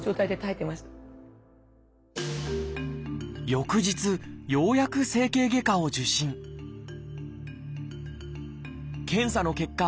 翌日ようやく整形外科を受診検査の結果